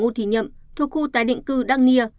ngô thị nhậm thuộc khu tái định cư đăng nia